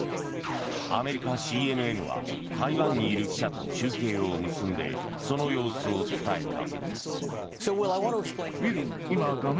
アメリカＣＮＮは台湾にいる記者と中継を結んでその様子を伝えた。